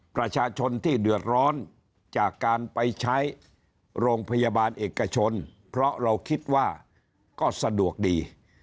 ประชาชนที่เดือดร้อนจากการไปใช้โรงพยาบาลเอกชนเพราะเราคิดว่าก็สะดวกดี